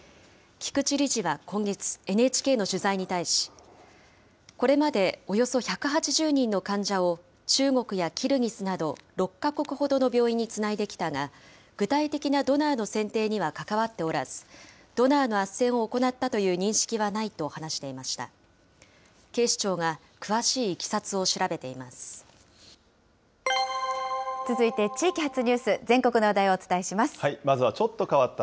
菊池理事は今月、ＮＨＫの取材に対し、これまでおよそ１８０人の患者を、中国やキルギスなど６か国ほどの病院につないできたが、具体的なドナーの選定には関わっておらず、ドナーのあっせんを行ったという認識はないと話していました。